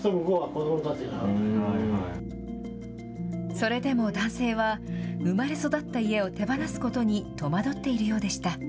それでも男性は生まれ育った家を手放すことに戸惑っているようでした。